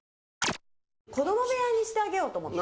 子供部屋にしてあげようと思って。